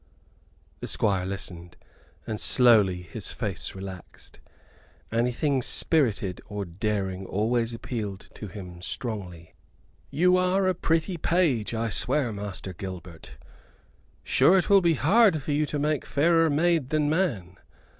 The Squire listened, and slowly his face relaxed. Anything spirited or daring always appealed to him strongly. "You are a pretty page, I swear, Master Gilbert! Sure it will be hard for you to make fairer maid than man.